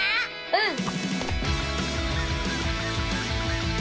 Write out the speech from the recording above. うん！